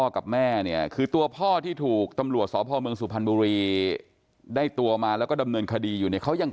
กับแม่เนี่ยคือตัวพ่อที่ถูกตำรวจสพเมืองสุพรรณบุรีได้ตัวมาแล้วก็ดำเนินคดีอยู่เนี่ยเขายัง